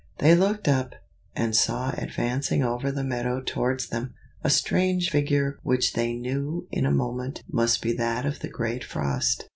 They looked up, and saw advancing over the meadow towards them, a strange figure which they knew in a moment must be that of the great Frost.